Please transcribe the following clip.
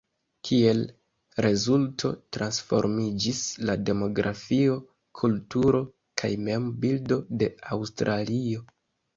Kiel rezulto transformiĝis la demografio, kulturo kaj mem-bildo de Aŭstralio.